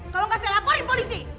kalau nggak saya laporin polisi